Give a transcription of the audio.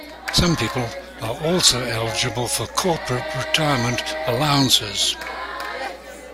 Some people are also eligible for corporate retirement allowances.